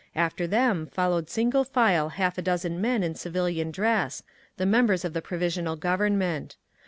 After them followed single file half a dozen men in civilian dress—the members of the Provisional Government.